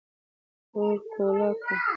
ور کولاو کړه